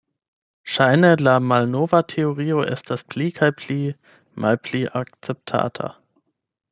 Ŝajne la malnova teorio estas pli kaj pli malpli akceptata.